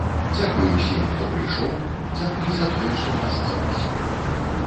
Дзякуй усім, хто прыйшоў, дзякуй за тое, што нас запрасілі.